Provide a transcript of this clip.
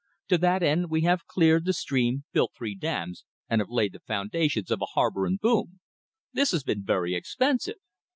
To that end we have cleared the stream, built three dams, and have laid the foundations of a harbor and boom. This has been very expensive.